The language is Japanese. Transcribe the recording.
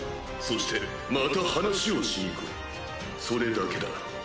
そしてまた話をしに来いそれだけだ。